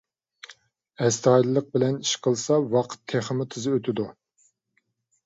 ئەستايىدىللىق بىلەن ئىش قىلسا، ۋاقىت تېخىمۇ تېز ئۆتىدۇ.